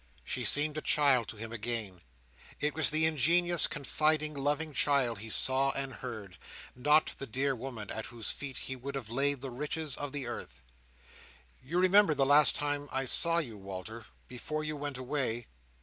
She seemed a child to him again. It was the ingenuous, confiding, loving child he saw and heard. Not the dear woman, at whose feet he would have laid the riches of the earth. "You remember the last time I saw you, Walter, before you went away?"